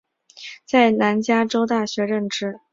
在南加州大学任职工程师及电力工程教授一职。